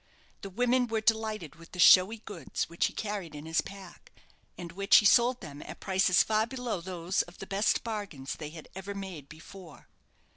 The women were delighted with the showy goods which he carried in his pack, and which he sold them at prices far below those of the best bargains they had ever made before.